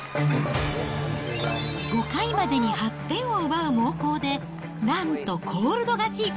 ５回までに８点を奪う猛攻で、なんとコールド勝ち。